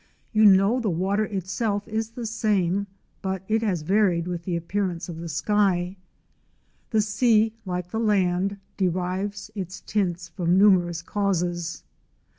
You know the water itself is the same, but it has varied with the appearance of the sky. The sea, like the land, derives its tints from numerous causes.